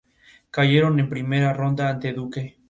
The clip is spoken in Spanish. Cayeron en primera ronda ante Duke.